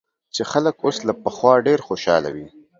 چې خلک اوس له پخوا ډېر خوشاله وي